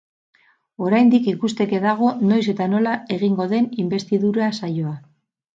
Oraindik ikusteke dago noiz eta nola egingo den inbestidura saioa.